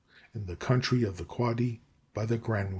IN THE COUNTRY OF THE QUADI, BY THE GRANUA.